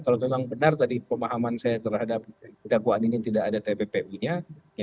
kalau memang benar tadi pemahaman saya terhadap dakwaan ini tidak ada tppu nya